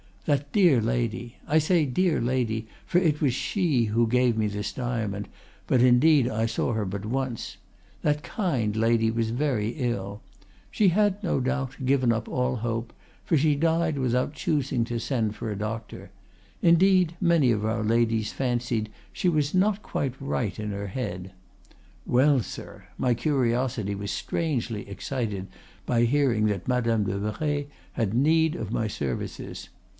That dear lady—I say dear lady, for it was she who gave me this diamond, but indeed I saw her but once—that kind lady was very ill; she had, no doubt, given up all hope, for she died without choosing to send for a doctor; indeed, many of our ladies fancied she was not quite right in her head. Well, sir, my curiosity was strangely excited by hearing that Madame de Merret had need of my services.